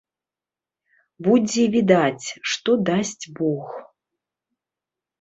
Будзе відаць, што дасць бог.